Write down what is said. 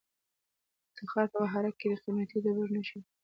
د تخار په بهارک کې د قیمتي ډبرو نښې دي.